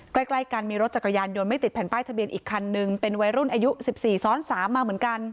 ใกล้กันมีรถจักรยานยนต์ไม่ติดแผ่นป้ายทะเบียนอีกคันนึงเป็นวัยรุ่นอายุ๑๔ซ้อน๓มาเหมือนกัน